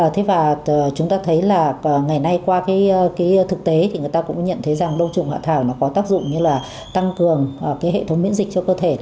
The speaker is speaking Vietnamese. thế và chúng ta thấy là ngày nay qua thực tế thì người ta cũng nhận thấy rằng đồng trùng hạ thảo có tác dụng như là tăng cường hệ thống miễn dịch cho cơ thể